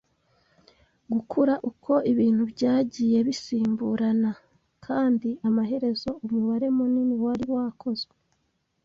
gukura uko ibihe byagiye bisimburana, kandi amaherezo umubare munini wari wakozwe